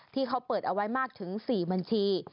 ที่เขาเปิดเอาไว้มากถึง๔บัญชี